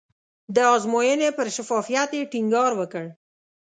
د ازموینې پر شفافیت یې ټینګار وکړ.